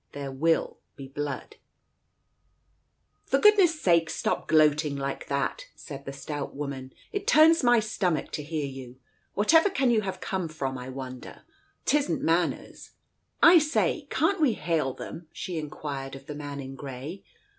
" There will be blood I "" For goodness' sake stop gloating like that I " said the stout woman. "It turns my stomach to hear you. Wherever can you have come from, I wonder? 'Tisn't manners. ... I say, can't we hail them? " she inquired of the man in grey.